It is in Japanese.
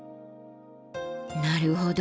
なるほど。